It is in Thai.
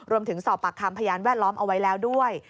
รวมถึงสอบปากคำพยานแวดล้อมเอาไว้แล้วด้วย